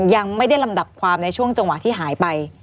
ยังไม่ได้ลำดับความในช่วงจังหวะที่หายไป